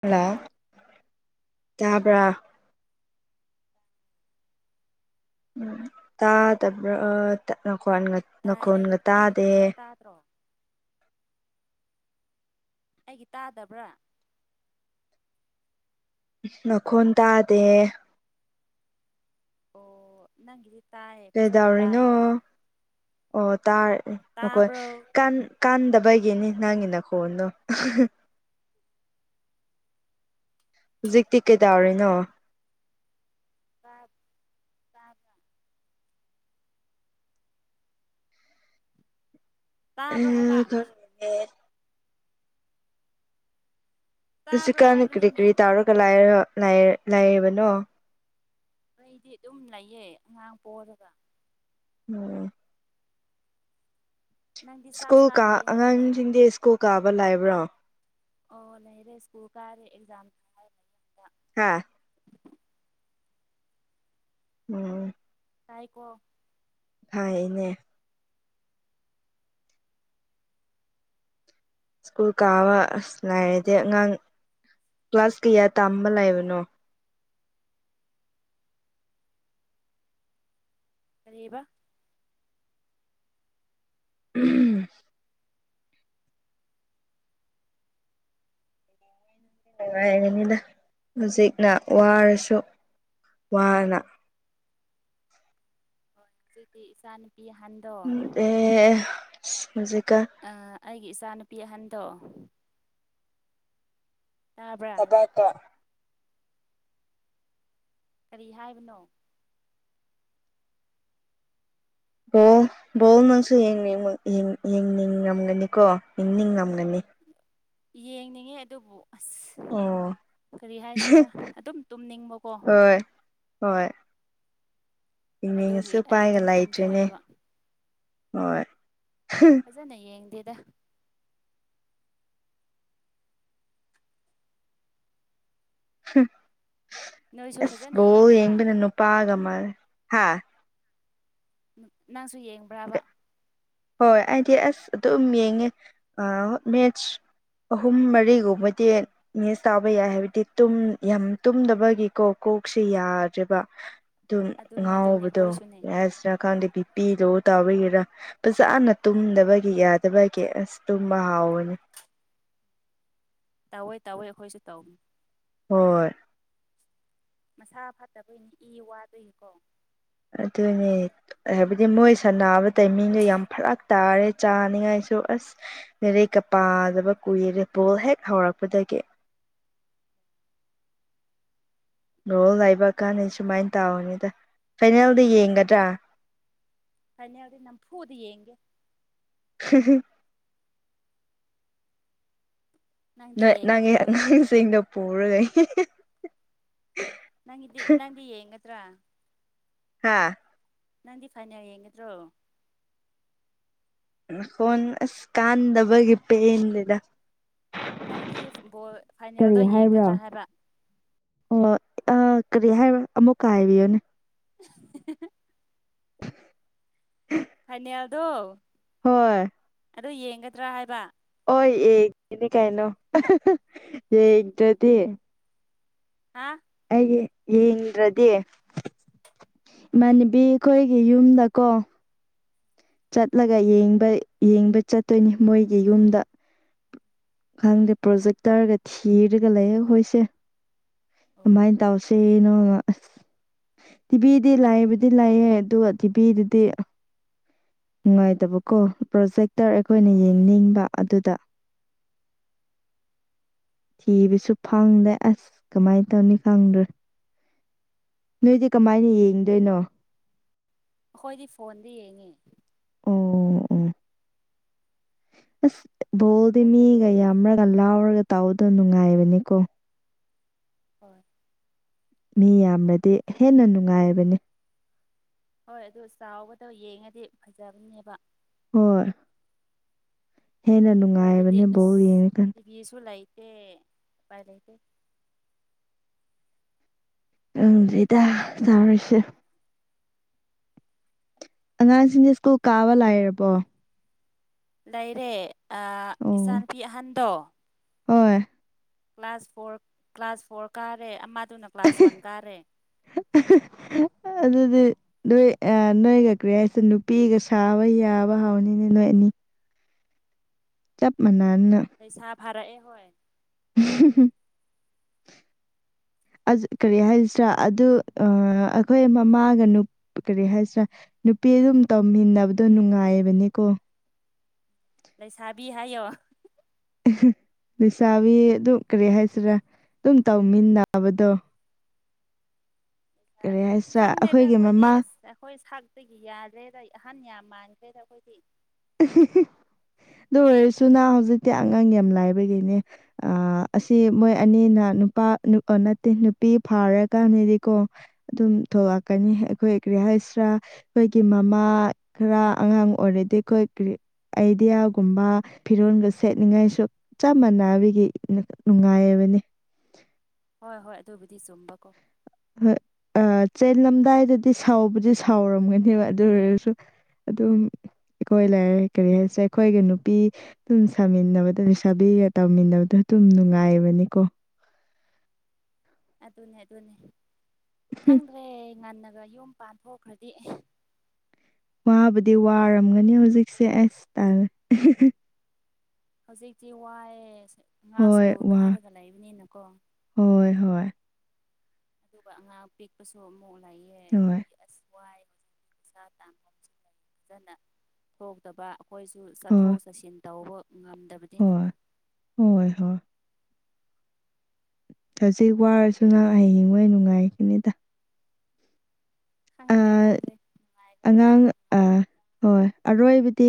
ꯍꯜꯂ ꯇꯥꯕ꯭ꯔꯥ ꯇꯥꯗꯕ꯭ꯔꯥ ꯑꯥ ꯅꯈꯣꯟꯒ ꯅꯈꯣꯟꯒ ꯇꯥꯗꯦ ꯇ꯭ꯔꯣ ꯑꯩꯒꯤ ꯇꯥꯗꯕ꯭ꯔꯥ ꯅꯈꯣꯟ ꯇꯥꯗꯦ ꯑꯣ ꯅꯪꯒꯤꯗꯤ ꯇꯥꯏꯌꯦ ꯐꯖꯅ ꯇꯥꯏ ꯀꯩꯗꯧꯔꯤꯅꯣ ꯑꯣ ꯇꯥꯔꯦ ꯅꯈꯣꯏ ꯇꯥꯕ꯭ꯔꯣ ꯀꯥꯟ ꯀꯟꯗꯕꯒꯤꯅꯤ ꯅꯪꯒꯤ ꯅꯈꯣꯟꯗꯣ [unintelligible] ꯍꯧꯖꯤꯛꯇꯤ ꯀꯩ ꯇꯧꯔꯤꯅꯣ ꯇꯥꯞ ꯇꯥꯕ꯭ꯔꯥ ꯇꯥꯕ꯭ꯔꯣ ꯎꯝ ꯍꯥꯏꯕ ꯈꯪꯗꯦ ꯇꯥꯕ꯭ꯔꯣ ꯍꯧꯖꯤꯛꯀꯥꯟ ꯀꯔꯤ ꯍꯥꯏꯕꯅꯤꯃꯤ ꯀꯔꯤ ꯇꯧꯔꯒ ꯂꯩꯔꯔ ꯂꯩ ꯂꯩꯕꯅꯣ ꯑꯩꯩꯗꯤ ꯑꯗꯨꯝ ꯂꯩꯌꯦ ꯑꯉꯥꯡ ꯄꯣꯔꯒ ꯎꯝ ꯅꯪꯗꯤ ꯆꯥꯛ ꯁ꯭ꯀꯨꯜ ꯀꯥ ꯆꯥꯗ꯭ꯔꯤ ꯍꯥꯏꯕ꯭ꯔꯣ ꯑꯉꯥꯡꯁꯤꯡꯗꯤ ꯁ꯭ꯀꯨꯜ ꯀꯥꯕ ꯂꯥꯛꯕ꯭ꯔꯣ ꯑꯣ ꯂꯩꯔꯦ ꯁ꯭ꯀꯨꯜ ꯀꯥꯔꯦ ꯑꯦꯛꯖꯥꯝ ꯊꯥꯏ ꯍꯥꯥ ꯎꯝ ꯎꯝ ꯇꯥꯏꯀꯣ ꯍꯥꯏꯅꯦ ꯁ꯭ꯀꯨꯜ ꯀꯥꯕ ꯑꯁ ꯂꯩꯏꯔꯗꯤ ꯑꯉꯥꯡ ꯀ꯭ꯂꯥꯁ ꯀꯌꯥ ꯇꯥꯝꯕ ꯂꯩꯕꯅꯣ ꯀꯔꯤꯕ ꯎꯝ ꯅꯨꯡꯉꯥꯏꯔꯅꯤꯗ ꯍꯧꯖꯤꯛꯅ ꯋꯥꯔꯁꯨ ꯋꯥꯅ ꯐꯣꯟꯖꯤꯗꯤ ꯏꯆꯥ ꯅꯨꯄꯤ ꯍꯟ [unintelligible] ꯍꯧꯖꯤꯀꯥꯟ ꯑꯥ ꯑꯩꯒꯤ ꯏꯆꯥꯅꯨꯄꯤ ꯑꯍꯟꯗꯣ ꯇꯥꯕ꯭ꯔꯥ ꯇꯗꯇ ꯀꯔꯤ ꯍꯥꯏꯕꯅꯣ ꯑꯣ ꯕꯣꯜ ꯅꯪꯁꯨ ꯌꯦꯡꯅꯤꯡꯃ ꯌꯦꯡ ꯌꯦꯡꯅꯤꯡꯉꯝꯒꯅꯤꯀꯣ ꯌꯦꯡꯅꯤꯡꯉꯝꯒꯅꯤ ꯌꯦꯡꯅꯤꯡꯉꯦ ꯑꯗꯨꯕꯨ ꯑꯁ ꯑꯣ ꯀꯔꯤ ꯍꯥꯏꯁꯤꯔꯥ ꯑꯗꯨꯝ ꯇꯨꯝꯅꯤꯡꯕꯀꯣ ꯍꯣꯏ ꯍꯣꯏ ꯑꯗꯨꯒꯤ ꯏꯃꯦꯁꯁꯨ ꯑꯩ ꯄꯥꯏꯔꯒ ꯑꯗꯨꯝ ꯂꯩꯇ꯭ꯔꯤꯅꯤ ꯇꯨꯝꯊꯣꯛꯑꯦꯕ ꯍꯣꯏ ꯖꯅ ꯌꯦꯡꯗꯦꯗ ꯍ ꯅꯣꯏꯁꯨ ꯑꯁ ꯐꯖꯅ ꯕꯣꯜ ꯌꯦꯡꯕ꯭ꯔꯥ ꯌꯦꯡꯕꯅ ꯅꯨꯄꯥꯒ ꯃꯥꯟꯅꯩ ꯍꯥꯥ ꯅ ꯅꯪꯁꯨ ꯌꯦꯡꯕ꯭ꯔꯕ ꯍꯣꯏ ꯑꯩꯗꯤ ꯑꯁ ꯑꯗꯨꯝ ꯌꯦꯡꯉꯦ ꯃꯦꯆ ꯑꯍꯨꯝ ꯃꯔꯤꯒꯨꯝꯕ ꯗꯦ ꯃꯦꯁ ꯇꯧꯕ ꯌꯥꯏ ꯍꯥꯏꯕꯗꯤ ꯇꯨꯝ ꯌꯥꯝ ꯇꯨꯝꯗꯕꯒꯤꯀꯣ ꯀꯣꯛꯁꯤ ꯌꯥꯗ꯭ꯔꯦꯕ ꯑꯗꯨꯝ ꯑꯗꯨꯅꯦ ꯑꯗꯨꯅꯦ ꯉꯥꯎꯕꯗꯣ ꯑꯩꯈꯣꯏꯁꯨꯅꯦ ꯌꯥꯁꯤꯔꯀꯥꯟꯗ ꯕꯤ ꯄꯤꯗꯣ ꯇꯥꯒꯤꯔꯥ ꯑꯖꯅ ꯇꯨꯝꯗꯕꯒꯤ ꯌꯥꯗꯕꯒꯤ ꯑꯁ ꯇꯨꯝꯕ ꯍꯥꯎꯋꯅꯤ ꯇꯧꯋꯦ ꯇꯧꯋꯦ ꯑꯩꯈꯣꯏꯁꯨ ꯇꯧꯕꯅꯤ ꯍꯣꯏ ꯃꯁꯥ ꯐꯠꯇꯕꯅꯤ ꯏ ꯋꯥꯠꯄꯒꯤꯀꯣ ꯑꯗꯨꯅꯦ ꯍꯥꯏꯕꯗꯤ ꯃꯣꯏ ꯁꯥꯟꯅꯥꯕ ꯇꯥꯏꯃꯤꯡꯗꯣ ꯌꯥꯝ ꯐꯔꯛ ꯇꯥꯔꯦ ꯆꯥꯅꯤꯡꯉꯥꯏꯁꯨ ꯑꯁ ꯂꯥꯏꯔꯥꯛꯀ ꯄꯥꯗꯕ ꯀꯨꯏꯔꯦ ꯕꯣꯜ ꯍꯦꯛ ꯍꯧꯔꯛꯄꯗꯒꯤ ꯕꯣꯜ ꯂꯥꯏꯕꯛ ꯀꯥꯟꯅꯩ ꯁꯨꯃꯥꯏꯅ ꯇꯥꯎꯔꯅꯤꯗ ꯐꯥꯏꯅꯦꯜꯗ ꯌꯦꯡꯒꯗ꯭ꯔꯥ ꯐꯥꯏꯅꯦꯜꯗꯤ ꯅꯝꯐꯨꯗ ꯌꯦꯡꯒꯦ ꯍꯝꯍꯝ ꯅꯪꯗꯤ ꯅꯣꯏ ꯅꯪꯒꯤ ꯌꯦꯡꯒꯗ꯭ꯔꯣ ꯑꯉꯥꯡꯁꯤꯡꯅ ꯄꯨꯔꯒ ꯌꯦꯡ ꯅꯪꯒꯤꯗꯤ ꯅꯪꯗꯤ ꯌꯦꯡꯒꯗ꯭ꯔꯥ ꯍꯥꯥ ꯅꯪꯗꯤ ꯐꯥꯏꯅꯦꯜ ꯌꯦꯡꯒꯗ꯭ꯔꯣ ꯃꯈꯈꯣꯟ ꯑꯁ ꯀꯥꯟꯗꯕꯒꯤ ꯄꯦꯟꯗꯨꯗ ꯅꯪꯗꯤ ꯕꯣꯜ ꯐꯥꯏꯅꯦꯜꯗꯣ ꯌꯦꯡꯒꯗ꯭ꯔꯥ ꯍꯥꯏꯕ ꯍꯣꯏ ꯑ ꯀꯔꯤ ꯍꯥꯏꯕ ꯑꯃꯨꯛꯀ ꯍꯥꯏꯕꯤꯌꯣꯅꯦ [inaudible] [inaudible] ꯐꯥꯏꯅꯦꯜꯗꯨ ꯍꯣꯏ ꯑꯗꯨ ꯌꯦꯡꯒꯗ꯭ꯔꯥ ꯍꯥꯏꯕ ꯑꯣꯏ ꯌꯦꯡꯒꯅꯤ ꯀꯩꯅꯣ ꯌꯦꯡꯗꯔꯗꯤ ꯍꯥꯥ ꯑꯩꯒꯤ ꯌꯦꯡꯗ꯭ꯔꯗꯤ ꯃꯅꯕꯤ ꯑꯩꯈꯣꯏꯒꯤ ꯌꯨꯝꯗꯀꯣ ꯆꯠꯂꯒ ꯌꯦꯡꯕ ꯌꯦꯡꯕ ꯆꯠꯇꯣꯏꯅꯤ ꯃꯣꯏꯒꯤ ꯌꯨꯝꯗ ꯈꯪꯗꯦ ꯄ꯭ꯔꯣꯖꯦꯛ ꯇꯧꯔꯒ ꯊꯤꯔꯒ ꯂꯩꯌꯦ ꯑꯩꯈꯣꯏꯁꯦ ꯑꯣ ꯑꯗꯨꯃꯥꯏꯅ ꯇꯧꯁꯦ ꯀꯩꯅꯣ ꯑꯁ ꯇꯤꯚꯤꯗꯤ ꯂꯥꯛꯕꯨꯗꯤ ꯂꯥꯛꯑꯦ ꯑꯗꯨꯒ ꯇꯤꯚꯤꯗꯨꯗꯤ ꯅꯨꯡꯉꯥꯏꯇꯕꯀꯣ ꯄ꯭ꯔꯣꯖꯦꯛꯇꯔ ꯑꯩꯈꯣꯏꯅ ꯑꯣ ꯑꯣ ꯌꯦꯡꯅꯤꯡꯕ ꯑꯗꯨꯗ ꯊꯤꯕꯁꯨ ꯐꯪꯗꯦ ꯑꯁ ꯀꯃꯥꯏꯅ ꯇꯧꯅꯤ ꯈꯪꯗ꯭ꯔꯦ ꯅꯣꯏꯗꯤ ꯀꯃꯥꯏꯅ ꯌꯦꯡꯗꯣꯏꯅꯣ ꯑꯩꯈꯣꯏꯗꯤ ꯐꯣꯟꯗ ꯌꯦꯡꯉꯦ ꯑꯝ ꯑꯝ ꯑꯁ ꯑꯩꯈꯣꯏꯗꯤ ꯕꯣꯜꯗꯤ ꯐꯣꯟꯗ ꯑꯗꯨꯝ ꯃꯤꯒ ꯌꯦꯡꯉꯦ ꯌꯥꯝꯔꯛ ꯂꯥꯎꯔꯒ ꯇꯥꯎꯗ ꯅꯨꯡꯉꯥꯏꯕꯅꯤꯀꯣ ꯍꯣꯏ ꯃꯤ ꯌꯥꯝꯃꯗꯤ ꯍꯦꯟꯅ ꯅꯨꯡꯉꯥꯏꯕꯅꯤ ꯍꯣꯏ ꯑꯗꯨ ꯆꯥꯎꯕꯗꯣ ꯌꯦꯡꯉꯗꯤ ꯐꯖꯕꯅꯦꯕ ꯍꯣꯢ ꯍꯦꯟꯅ ꯅꯨꯡꯉꯥꯏꯕꯅꯦ ꯕꯣꯜ ꯌꯦꯡꯉꯀꯥꯟꯗ ꯕꯤꯁꯨ ꯂꯩꯥꯏꯇꯦ ꯎꯄꯥꯏ ꯂꯩꯇꯦ ꯈꯪꯗꯔꯤꯗ ꯗꯧꯔꯤꯁꯦ ꯑꯉꯥꯡꯁꯤꯡꯅ ꯁ꯭ꯀꯨꯜ ꯀꯥꯕ ꯂꯥꯏꯔꯕꯣ ꯂꯩꯔꯦ ꯑꯣ ꯏꯆꯥꯅꯨꯄꯤ ꯑꯍꯟꯗꯣ ꯍꯣꯏ ꯀ꯭ꯂꯥꯁ ꯐꯣꯔ ꯀ꯭ꯂꯥꯁ ꯐꯣꯔ ꯀꯥꯔꯦ ꯑꯃꯗꯨꯅ ꯀ꯭ꯂꯥꯁ ꯋꯥꯟ ꯀꯥꯔꯦ ꯑꯗꯨ ꯑꯗꯨ ꯅꯣꯏ ꯅꯣꯏꯒ ꯀ꯭ꯔꯤ ꯍꯥꯏꯁꯦ ꯅꯨꯄꯤꯒ ꯁꯥꯕ ꯌꯥꯕ ꯍꯥꯎꯅꯤꯅꯦ ꯅꯣꯏ ꯑꯅꯤ ꯆꯞ ꯃꯥꯟꯅꯅ ꯄꯩꯁꯥ ꯐꯥꯔꯛꯑꯦ ꯍꯣꯏ [inaudible] ꯀꯔꯤ ꯍꯥꯏꯁꯤꯔꯥ ꯑꯗꯨ ꯑꯩꯈꯣꯏ ꯃꯃꯥꯒꯅ ꯀꯔꯤ ꯍꯥꯏꯁꯤꯔꯥ ꯅꯨꯄꯤ ꯑꯗꯨꯝ ꯇꯧꯃꯤꯟꯅꯕꯗꯣ ꯅꯨꯡꯉꯥꯏꯕꯅꯤꯀꯣ ꯂꯩꯁꯥꯕꯤ ꯍꯥꯏꯌꯣ ꯂꯩꯁꯥꯕꯤ ꯑꯗꯨꯝ ꯀꯔꯤ ꯍꯥꯏꯁꯤꯔꯥ ꯑꯗꯨꯝ ꯇꯧꯃꯤꯟꯅꯕꯗꯣ ꯀꯔꯤ ꯍꯥꯏꯁꯤꯔꯥ ꯈꯪꯗꯦꯗ ꯑꯩꯈꯣꯏꯒꯤ ꯑꯩꯈꯣꯏꯗꯤ ꯃꯃꯥ ꯑꯁ ꯑꯩꯈꯣꯏ ꯁꯥꯛꯇꯒꯤ ꯌꯥꯗ꯭ꯔꯦꯗ ꯑꯍꯟ ꯌꯥꯝ ꯃꯥꯟꯈ꯭ꯔꯦꯗ ꯑꯩꯈꯣꯏꯗꯤ ꯑꯗꯨ ꯑꯣꯏꯔꯁꯨ ꯅ ꯍꯧꯖꯤꯛꯇꯤ ꯑꯉꯥꯡ ꯌꯥꯝ ꯂꯥꯏꯕꯒꯤꯅꯦ ꯑ ꯑꯁꯤ ꯃꯣꯏ ꯑꯅꯤꯅ ꯅꯨꯄꯥ ꯅꯠꯇꯦ ꯅꯨꯄꯤ ꯐꯥꯔꯀꯥꯟꯗꯗꯤꯀꯣ ꯑꯗꯨꯝ ꯊꯣꯛꯂꯛꯀꯅꯤ ꯑꯩꯈꯣꯏ ꯭ꯔꯤꯍꯁꯔꯥ ꯑꯩꯈꯣꯏꯒꯤ ꯃꯃꯥ ꯈꯔ ꯑꯉꯥꯡ ꯑꯣꯏꯔꯗꯤ ꯑꯩꯈꯣꯏ ꯑꯥꯏꯗꯤꯌꯥꯒꯨꯝꯕ ꯐꯤꯔꯣꯜꯒ ꯁꯦꯠꯅꯤꯡꯉꯥꯏꯁꯨ ꯆꯞ ꯃꯥꯟꯕꯤꯒꯤ ꯅꯨꯡꯉꯥꯏꯕꯅꯤ ꯍꯣꯏ ꯍꯣꯏ ꯑꯗꯨꯕꯨꯗꯤ ꯆꯨꯝꯕꯀꯣ ꯍꯣꯏ ꯑ ꯆꯦꯟꯂꯝꯗꯥꯏꯗꯗꯤ ꯁꯥꯎꯕꯗꯤ ꯁꯥꯎꯔꯝꯒꯅꯦꯕ ꯑꯗꯨ ꯑꯣꯏꯔꯁꯨ ꯑꯗꯨꯝ ꯑꯩꯈꯣꯏ ꯂꯔꯦ ꯀꯔꯤ ꯍꯥꯏꯁꯦ ꯑꯩꯈꯣꯏꯒꯤ ꯅꯨꯄꯤ ꯑꯗꯨꯝ ꯁꯥꯃꯤꯟꯅꯕꯗ ꯁꯥꯕꯤꯒ ꯇꯧꯃꯤꯟꯅꯕꯗ ꯑꯗꯨꯝ ꯅꯨꯡꯉꯥꯏꯕꯅꯤꯀꯣ ꯑꯗꯨꯅꯦ ꯑꯗꯨꯅꯦ ꯈꯪꯗ꯭ꯔꯦ ꯉꯟꯅꯒ ꯌꯨꯝ ꯄꯥꯟꯊꯣꯛꯈ꯭ꯔꯗꯤ ꯑꯦ ꯋꯥꯕꯨꯗꯤ ꯋꯥꯔꯝꯒꯅꯤ ꯍꯧꯖꯤꯛꯁꯦ ꯑꯁ ꯇꯦ ꯍꯧꯖꯤꯛꯇꯤ ꯋꯥꯑꯦ ꯉꯥ ꯍꯣꯏ ꯁ꯭ꯀꯨꯜ ꯋꯥ ꯀꯥꯔꯒ ꯂꯩꯕꯅꯤꯅꯀꯣ ꯍꯣꯏ ꯍꯣꯏ ꯑꯗꯨꯒ ꯑꯉꯥꯡ ꯑ ꯄꯤꯛꯄꯁꯨ ꯑꯃꯨꯛ ꯂꯥꯛꯑꯦ ꯍꯣꯏ ꯑꯁ ꯋꯥꯏ ꯄꯩꯁꯥ ꯇꯥꯡꯕ ꯑꯃꯁꯨꯡ ꯐꯖꯅ ꯊꯣꯛꯇꯕ ꯑꯩꯈꯣꯏꯁꯨ ꯆꯠꯊꯣꯛ ꯍꯣꯏ ꯆꯠꯁꯤꯟ ꯇꯧꯕ ꯉꯝꯗꯕꯅꯤꯅꯀꯣ ꯍꯣꯏ ꯍꯣꯏ ꯍꯣꯏ ꯍꯧꯖꯤꯛ ꯋꯥꯔꯁꯨ ꯅꯪ ꯍꯌꯦꯡ ꯋꯥꯏ ꯅꯨꯡꯉꯥꯏꯒꯅꯤꯗ ꯈꯪꯗ꯭ꯔꯦ ꯑꯥ, ꯈꯪꯗ꯭ꯔꯦ ꯅꯨꯡꯉꯥꯢꯒꯗꯔꯥ ꯑꯉꯥꯡ ꯑꯥ ꯍꯣꯏ ꯑꯔꯣꯏꯕꯗꯤ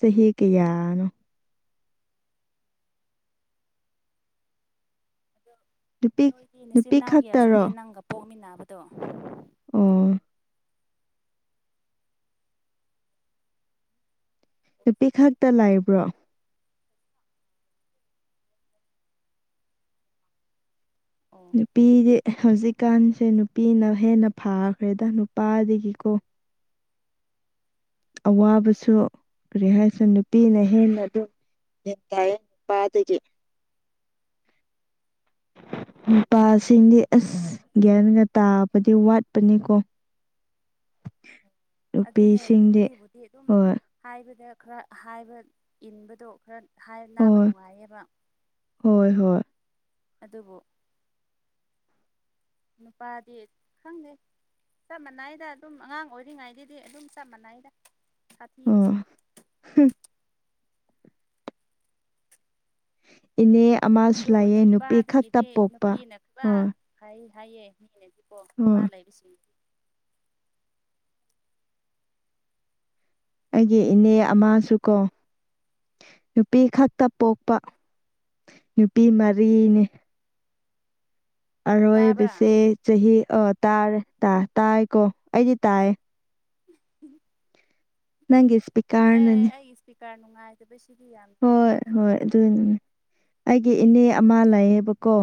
ꯆꯍꯤ ꯀꯌꯥꯅꯣ ꯑꯗꯣ ꯅꯨꯄꯤ ꯅꯣꯏꯗꯤ ꯅꯨꯄꯤ ꯅꯆꯤꯟꯅꯥꯎꯒꯤꯌꯥ ꯈꯛꯇꯔꯣ ꯁꯨꯒꯦ ꯅꯪꯒ ꯄꯣꯛꯃꯤꯟꯅꯕꯗꯣ ꯑꯣ ꯅꯨꯄꯤ ꯈꯛꯇ ꯂꯩꯕ꯭ꯔꯣ ꯑꯣ ꯅꯨꯄꯤꯗꯤ ꯍꯧꯖꯤꯛꯀꯥꯟꯁꯦ ꯅꯨꯄꯤꯅ ꯍꯦꯟꯅ ꯐꯈ꯭ꯔꯦꯗ ꯅꯨꯄꯥꯗꯒꯤꯀꯣ ꯑꯋꯥꯕꯁꯨ ꯀꯔꯤ ꯍꯥꯏꯁꯤꯔ ꯅꯨꯄꯤꯅ ꯍꯦꯟꯅ ꯑꯗꯨꯝ ꯇ ꯄꯖꯦ ꯄꯥꯁꯤꯡꯗꯤ ꯑꯁ ꯒ꯭ꯌꯥꯟꯒ ꯇꯥꯕꯗꯤ ꯋꯥꯠꯄꯅꯤꯀꯣ ꯑꯗꯨꯅꯦ ꯅꯨꯄꯤꯁꯤꯡꯗꯤ ꯅꯨꯄꯤꯕꯨꯗꯤ ꯑꯗꯨꯝ ꯍꯣꯏ ꯍꯥꯏꯕꯗ ꯈꯔ ꯍꯥꯏꯕ ꯏꯟꯕꯗꯣ ꯈꯔ ꯅꯥꯕ ꯍꯣꯏ ꯅꯨꯡꯉꯥꯏꯌꯦꯕ ꯍꯣꯏ ꯍꯣꯏ ꯑꯗꯨꯕꯨ ꯅꯨꯄꯥꯗꯤ ꯈꯪꯗꯦ ꯆꯞ ꯃꯥꯟꯅꯏꯗ ꯑꯗꯨꯝ ꯑꯉꯥꯡ ꯑꯣꯏꯔꯤꯉꯩꯗꯗꯤ ꯑꯗꯨꯝ ꯆꯞ ꯃꯥꯟꯅꯩꯗ ꯁꯥꯊꯤꯕꯁꯦ ꯎꯝ ꯏꯅꯦ ꯑꯃ ꯑꯗꯨꯕꯨ ꯅꯨꯄꯥꯗꯒꯤꯗꯤ ꯅꯨꯄꯤꯅ ꯄꯨꯔ ꯍꯣꯏ ꯍꯥꯏ ꯍꯥꯏꯌꯦ ꯃꯤꯅꯗꯤꯀꯣ ꯅꯨꯄꯥ ꯍꯣꯏ ꯂꯩꯕꯁꯤꯡ ꯑꯩꯒꯤ ꯏꯅꯦ ꯑꯃꯁꯨ ꯀꯣ ꯅꯨꯄꯤ ꯈꯛꯇ ꯄꯣꯛꯄ ꯅꯨꯄꯤ ꯃꯔꯤꯅꯤ ꯇꯥꯕ꯭ꯔꯥ ꯑꯔꯣꯏꯕꯁꯦ ꯆꯍꯤ ꯑꯥ ꯇꯥꯔꯦ ꯇꯥꯏꯀꯣ ꯑꯩꯗꯤ ꯇꯥꯏ ꯅꯪꯒꯤ ꯏꯁꯄꯤ ꯀꯥꯔꯅꯅꯦ ꯁꯄꯤꯀꯔ ꯅꯨꯡꯉꯥꯏ ꯑꯗꯨ ꯁꯤꯔꯤ ꯌꯥꯝ [inaudible] ꯍꯣꯏ ꯍꯣꯏ ꯑꯗꯨꯅꯤꯅꯦ ꯑꯩꯒꯤ ꯏꯅꯦ ꯑꯃ ꯂꯩꯌꯦꯕꯀꯣ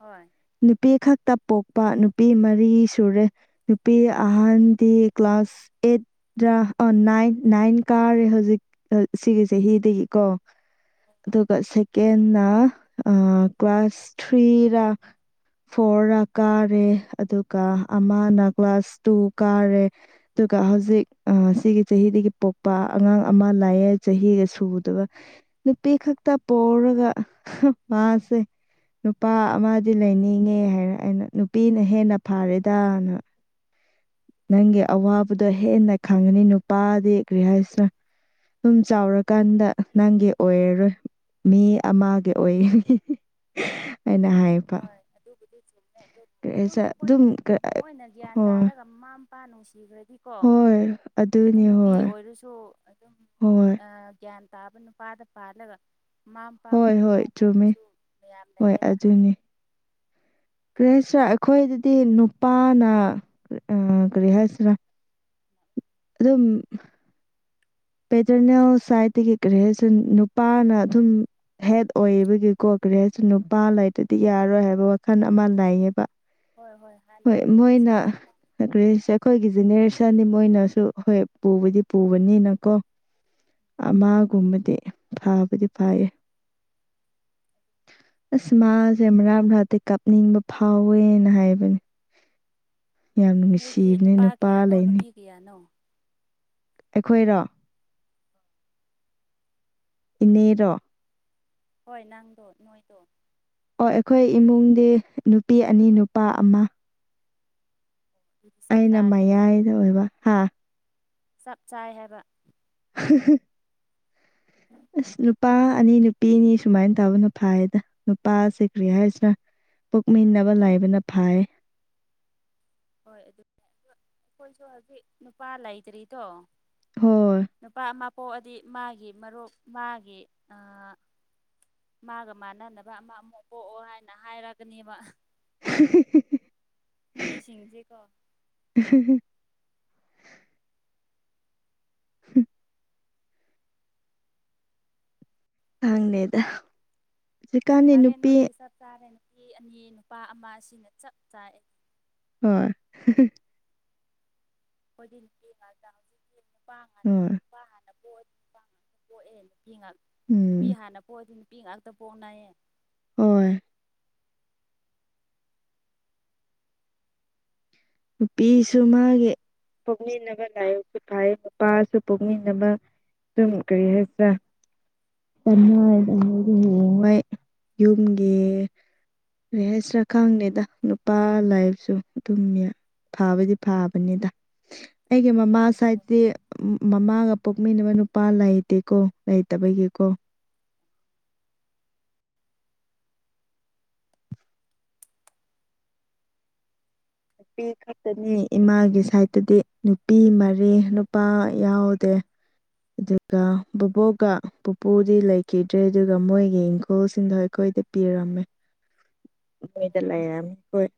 ꯍꯣꯏ ꯅꯨꯄꯤ ꯈꯛꯇ ꯄꯣꯛꯄ ꯅꯨꯄꯤ ꯃꯔꯤ ꯁꯨꯔꯦ ꯅꯨꯄꯤ ꯑꯍꯟꯗꯤ ꯀ꯭ꯂꯥꯁ ꯑꯦꯠ ꯗ꯭ꯔꯥ ꯑ ꯅꯥꯏꯟ ꯅꯥꯏꯟ ꯀꯥꯔꯦ ꯍꯧꯖꯤꯛ ꯁꯤꯒꯤ ꯆꯍꯤꯗꯒꯤꯀꯣ ꯑꯗꯨꯒ ꯁꯦꯀꯦꯟꯅ ꯀ꯭ꯂꯥꯁ ꯊ꯭ꯔꯤꯔꯥ ꯐꯣꯔ ꯀꯥꯔꯦ ꯑꯗꯨꯒ ꯑꯃꯅ ꯀ꯭ꯂꯥꯁ ꯇꯨ ꯀꯥꯔꯦ ꯑꯗꯨꯒ ꯍꯧꯖꯤꯛ ꯁꯤꯒꯤ ꯆꯍꯤꯗꯒꯤ ꯄꯣꯛꯄ ꯑꯉꯥꯡ ꯑꯃ ꯂꯥꯛꯑꯦ ꯆꯍꯤꯒ ꯁꯨꯗꯕ ꯅꯨꯄꯤ ꯈꯛꯇ ꯄꯧꯔꯒ ꯃꯥꯁꯦ ꯅꯨꯄꯥ ꯑꯃ ꯗꯤ ꯂꯩꯅꯤꯡꯉꯦ ꯍꯥꯏꯔ ꯑꯩꯅ ꯅꯨꯄꯤꯅ ꯍꯦꯟꯅ ꯐꯔꯦꯗꯅ ꯅꯪꯒꯤ ꯑꯋꯥꯕꯗꯣ ꯍꯦꯟꯅ ꯈꯪꯉꯅꯤ ꯅꯨꯄꯥꯗꯤ ꯒ꯭ꯔꯤ ꯍꯥꯏꯁꯤꯔ ꯑꯗꯨꯝ ꯆꯥꯎꯔꯀꯥꯟꯗ ꯅꯪꯒꯤ ꯑꯣꯏꯔꯔꯣꯏ ꯃꯤ ꯑꯃꯒꯤ ꯑꯣꯏꯒꯅꯤ ꯑꯩꯅ ꯍꯥꯏ ꯍꯣꯏ ꯑꯗꯨꯕꯨꯗꯤ ꯆꯨꯝꯃꯦ ꯑꯗꯨꯕꯨ ꯑꯗꯨꯝ ꯑꯩꯈꯣꯏꯅ ꯃꯣꯏꯅ ꯒ꯭ꯌꯥꯟ ꯍꯣꯏ ꯇꯥꯔꯒ ꯃꯃꯥ ꯃꯄꯥ ꯅꯨꯡꯁꯤꯈ꯭ꯔꯗꯤꯀꯣ ꯍꯣꯏ ꯑꯗꯨ ꯅꯪ ꯅꯨꯄꯤ ꯑꯣꯏꯔꯁꯨ ꯑꯗꯨꯝ ꯍꯣꯏ ꯒ꯭ꯌꯥꯟ ꯇꯥꯕ ꯅꯨꯄꯥꯗ ꯄꯥꯜꯂꯒ ꯃꯃꯥ ꯃꯄꯥꯕꯨ ꯍꯣꯏ ꯍꯣꯏ ꯌꯣꯛꯕ ꯆꯨꯝꯃꯤ ꯃꯤꯁꯨ ꯃꯌꯥꯝ ꯍꯣꯏ ꯂꯩꯌꯦꯗ ꯑꯗꯨꯅꯤ ꯀꯔꯤ ꯍꯥꯏꯁꯔ ꯑꯩꯈꯣꯏꯗꯗꯤ ꯅꯨꯄꯥꯅ ꯀꯔꯤ ꯍꯥꯏꯁꯤꯔꯥ ꯑꯗꯨꯝ ꯄꯦꯇꯔꯅꯦꯜ ꯁꯥꯏꯠꯇꯒꯤ ꯀꯔꯤ ꯍꯥꯏꯁꯤ ꯅꯨꯄꯥꯅ ꯑꯗꯨꯝ ꯍꯦꯠ ꯑꯣꯏꯕꯒꯤ ꯀꯣ ꯀ꯭ꯔꯦ ꯅꯨꯄꯥ ꯂꯩꯇꯗꯤ ꯌꯥꯔꯣꯏ ꯍꯥꯏꯕ ꯋꯥꯈꯜ ꯑꯃ ꯂꯩꯌꯦꯕ ꯍꯣꯏ ꯍꯣꯏ ꯍꯥꯢ ꯍꯦꯛꯇ ꯀꯔꯤ ꯍꯥꯢꯁꯤꯔ ꯑꯩꯈꯣꯏꯒꯤ ꯖꯦꯅꯦꯔꯦꯁꯟꯅꯤ ꯃꯣꯏꯅꯁꯨ ꯍꯣꯏ ꯄꯨꯕꯨꯗꯤ ꯄꯨꯕꯅꯤꯅ ꯀꯣ ꯑꯃꯒꯨꯝꯕꯗꯤ ꯐꯕꯨꯗꯤ ꯐꯥꯏꯌꯦ ꯑꯁ ꯃꯥꯁꯦ ꯃꯔꯥꯛ ꯈꯔꯗꯤ ꯀꯥꯞꯅꯤꯡꯕ ꯐꯥꯎꯋꯦꯅ ꯍꯥꯏꯕꯅꯦ ꯌꯥꯝ ꯅꯣꯏꯗꯤ ꯅꯨꯡꯁꯤꯕꯅꯦ ꯅꯨꯄꯥ ꯀꯌꯥꯅꯣ ꯂꯩꯅꯤ ꯅꯨꯄꯤ ꯀꯌꯥꯅꯣ ꯑꯩꯈꯣꯏꯔꯣ ꯏꯅꯦꯔꯣ ꯍꯣꯏ ꯅꯪꯗꯣ ꯅꯣꯏꯗꯣ ꯑꯣ ꯑꯩꯈꯣꯏ ꯏꯃꯨꯡꯗꯤ ꯅꯨꯄꯤ ꯑꯅꯤ ꯅꯨꯄꯥ ꯑꯃ ꯑꯗꯨꯗꯤ ꯆꯞ ꯑꯩꯅ ꯆꯥꯔꯦꯅꯦ ꯑꯗꯨꯗꯤ ꯃꯌꯥꯏꯗ ꯑꯣꯏꯕ ꯍꯥ ꯆꯞ ꯆꯥꯏ ꯍꯥꯏꯕ [inaudible] [inaudible] ꯑꯁ ꯅꯨꯄꯥ ꯑꯅꯤ ꯅꯨꯄꯤ ꯑꯅꯤ ꯁꯨꯃꯥꯏꯅ ꯇꯥꯕꯅ ꯐꯥꯏꯌꯦꯗ ꯅꯨꯄꯥꯁꯦ ꯀꯔꯤ ꯍꯥꯏꯁꯤꯔ ꯄꯣꯛꯃꯤꯟꯅꯕ ꯂꯥꯏꯕꯅ ꯐꯩ ꯍꯣꯏ ꯑꯗꯨꯅꯦ ꯑ ꯑꯩꯈꯣꯏꯁꯨ ꯍꯧꯖꯤꯛ ꯅꯨꯄꯥ ꯂꯩꯇ꯭ꯔꯤꯗꯣ ꯍꯣꯏ ꯅꯨꯄꯥ ꯑꯃ ꯄꯣꯛꯑꯗꯤ ꯃꯥꯒꯤ ꯃꯔꯨꯞ ꯃꯥꯒꯤ ꯑꯥ ꯃꯥꯒ ꯃꯥꯟꯅꯅꯕ ꯑꯃ ꯑꯃꯨꯛ ꯄꯣꯛꯑꯣ ꯍꯥꯏꯅ ꯍꯥꯏꯔꯒꯅꯤꯕ [inaudible] ꯃꯤꯁꯤꯡꯖꯦꯀꯣ [inaudible] [unintelligible] ꯈꯥꯡꯗꯦꯗ ꯐꯔꯦ ꯅꯣꯏꯗꯤ ꯆꯞ ꯆꯥꯔꯦ ꯅꯨꯄꯤ ꯑꯅꯤ ꯅꯨꯄꯥ ꯑꯃ ꯁꯤꯅ ꯆꯞ ꯆꯥꯢ ꯍꯣꯏ ꯑꯩꯈꯣꯏꯗꯤ ꯅꯨꯄꯤ ꯉꯥꯛꯇ ꯍꯧꯖꯤꯛꯇꯤ ꯅꯨꯄꯥ ꯍꯣꯏ ꯅꯨꯄꯥ ꯍꯥꯟꯅꯕ ꯄꯣꯛꯑꯗꯤ ꯅꯨꯄꯥ ꯉꯥꯛ ꯄꯣꯛꯑꯦ ꯅꯨꯄꯤ ꯉꯥꯛ ꯅꯨꯄꯤ ꯎꯝ ꯍꯥꯟꯅ ꯄꯣꯛꯑꯗꯤ ꯅꯨꯄꯤ ꯉꯥꯛꯇ ꯄꯣꯛꯅꯩꯌꯦ ꯍꯣꯢ ꯅꯨꯄꯤꯁꯨ ꯃꯥꯒꯤ ꯄꯣꯛꯃꯤꯟꯅꯕ ꯂꯥꯏꯕꯛꯐꯥꯏꯌꯦ ꯅꯨꯄꯥꯁꯨ ꯄꯣꯛꯃꯤꯟꯅꯕ ꯑꯗꯨꯝ ꯀꯔꯤ ꯍꯥꯏꯁꯤꯔꯥ [unintelligible] ꯃꯣꯏ ꯌꯨꯝꯒꯤ ꯀꯔꯤ ꯍꯥꯢꯁꯤꯔꯥ ꯈꯪꯗꯦꯗ ꯅꯨꯄꯥ [unintelligible] ꯐꯥꯕꯗꯤ ꯐꯥꯕꯅꯤꯗ ꯑꯩꯒꯤ ꯃꯃꯥ ꯁꯥꯢꯗꯤ ꯃꯝ ꯃꯥꯒ ꯄꯣꯛꯃꯤꯟꯅꯕ ꯅꯨꯄꯥ ꯂꯩꯇꯦꯀꯣ ꯂꯩꯇꯕꯒꯤꯀꯣ ꯅꯨꯄꯤ ꯈ ꯉꯇꯅꯦ ꯏꯃꯥꯒꯤ ꯁꯥꯏꯗꯠꯇꯗꯤ ꯅꯨꯄꯤ ꯃꯔꯤ ꯅꯨꯄꯥ ꯌꯥꯎꯗꯦ ꯑꯗꯨꯒ ꯕꯕꯣꯛꯒ ꯄꯨꯄꯨꯗꯤ ꯂꯩꯈꯤꯗ꯭ꯔꯦ ꯑꯗꯨꯒ ꯃꯣꯏꯒꯤ ꯏꯪꯈꯣꯜꯁꯤꯡꯗꯣ ꯑꯩꯈꯣꯏꯗ ꯄꯤꯔꯝꯃꯦ ꯃꯣꯏꯗ ꯂꯩꯔꯝꯃꯤ ꯈꯣꯏ